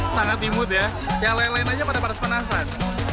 sangat imut ya yang lelein aja pada paras penasan